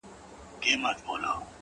خو ستا به زه اوس هيڅ په ياد كي نه يم؛